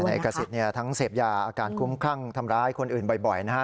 ใช่นายเอกสิตเนี่ยทั้งเสพยาอาการกุ้มคั่งทำร้ายคนอื่นบ่อยนะคะ